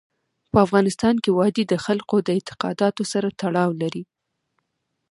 په افغانستان کې وادي د خلکو د اعتقاداتو سره تړاو لري.